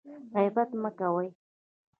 غیبت مه کوئ